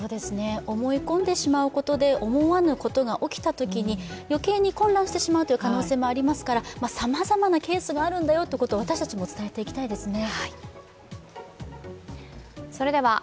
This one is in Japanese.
思い込んでしまうことで思わぬことが起きたときに、余計に混乱してしまうという可能性もありますからさまざまなケースがあるんだよということも、私たちも伝えていきたいですね。